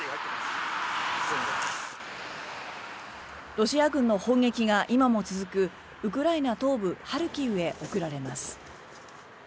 ロシア軍の砲撃が今も続くウクライナ東部ハルキウへ送られます。